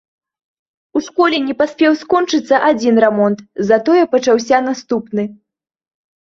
У школе не паспеў скончыцца адзін рамонт, затое пачаўся наступны.